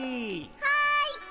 はい。